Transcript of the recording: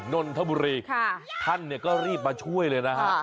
๑๙๑นนธบุรีการ์ท่านก็รีบมาช่วยเลยนะครับ